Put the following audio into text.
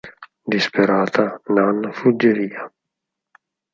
Disperata, Nan fugge via.